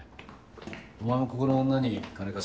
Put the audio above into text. お前もここの女に金貸して。